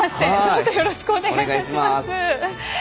よろしくお願いします。